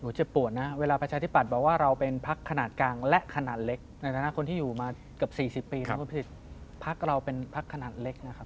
เจ็บปวดนะเวลาประชาธิปัตย์บอกว่าเราเป็นพักขนาดกลางและขนาดเล็กในฐานะคนที่อยู่มาเกือบ๔๐ปีพักเราเป็นพักขนาดเล็กนะครับ